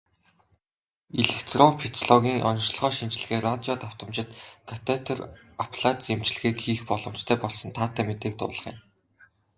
Электрофизиологийн оношилгоо, шинжилгээ, радио давтамжит катетр аблаци эмчилгээг хийх боломжтой болсон таатай мэдээг дуулгая.